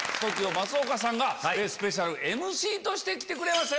松岡さんがスペシャルＭＣとして来てくれました。